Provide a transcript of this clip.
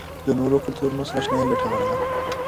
د نورو کلتورونو سره آشنايي ګټوره ده.